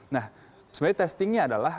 nah sebenarnya testingnya adalah